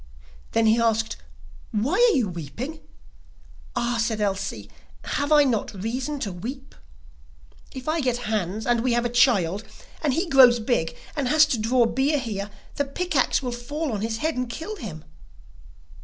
Then he asked: 'Why are you weeping?' 'Ah,' said Elsie, 'have I not reason to weep? If I get Hans, and we have a child, and he grows big, and has to draw beer here, the pick axe will fall on his head and kill him.